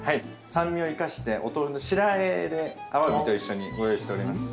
酸味を生かしてお豆腐の白和えで鮑と一緒にご用意しております。